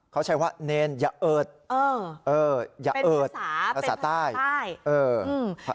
เขาใช้ว่าเนรอย่าเอิดเออเออเป็นภาษาภาษาใต้เอออืม